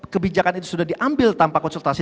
kebijakan itu sudah diambil tanpa konsultasi